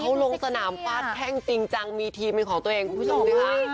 เขาลงสนามฟาดแท่งจริงจังมีทีมเป็นของตัวเองคุณผู้ชมนะคะ